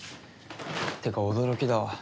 ってか驚きだわ。